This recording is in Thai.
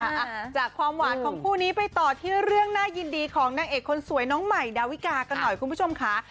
อาจจะความหวานของผู้นี้ไปต่อที่เรื่องน่ายยินดีของนางเอกคนใหม่คุณผู้ชมคะ